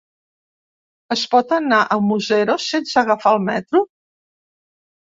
Es pot anar a Museros sense agafar el metro?